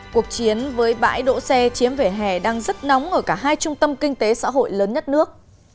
cuộc chiến với bãi đỗ xe chiếm vỉa hè đang rất nóng ở cả hai trung tâm kinh tế xã hội lớn nhất nước